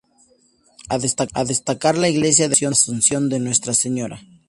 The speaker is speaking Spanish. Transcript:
A destacar la Iglesia de la Asunción de Nuestra Señora.